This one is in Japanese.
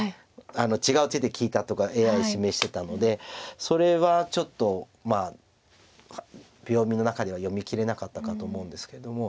違う手で利いたとかＡＩ示してたのでそれはちょっと秒読みの中では読みきれなかったかと思うんですけども。